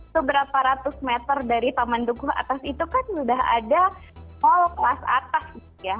seberapa ratus meter dari taman dukuh atas itu kan sudah ada mall kelas atas ya